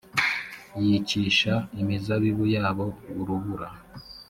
yicisha imizabibu yabo urubura